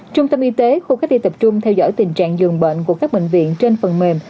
trung tâm y tế khu cách ly tập trung theo dõi tình trạng dường bệnh của các bệnh viện trên phần mềm